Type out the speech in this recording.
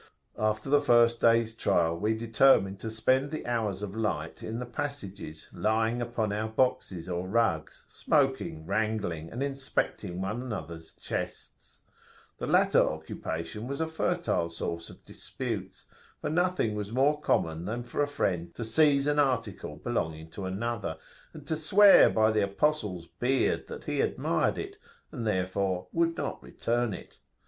After the first day's trial, we determined to spend the hours of light in the passages, lying upon our boxes or rugs, smoking, wrangling, and inspecting one another's chests. The latter occupation was a fertile source of disputes, for nothing was more common than for a friend to seize an article belonging to another, and to swear by the Apostle's beard that he admired it, and, therefore, would not return it.